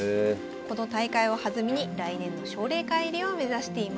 この大会を弾みに来年の奨励会入りを目指しています。